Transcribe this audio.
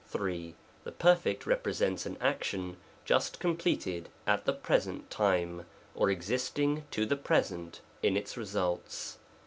3. The Perf. represents an action just completed at the present time, or existing to the present in its re sults.